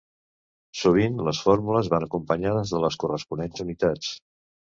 Sovint les fórmules van acompanyades de les corresponents unitats.